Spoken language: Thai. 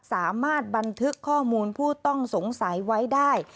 สามารถบันทึกข้อมูลผู้ต้องสงสัยไว้ได้